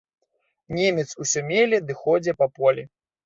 Немец усё меле ды ходзе па полі.